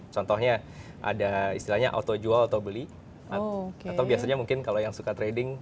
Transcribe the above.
contohnya ada istilahnya auto jual atau beli atau biasanya mungkin kalau yang suka trading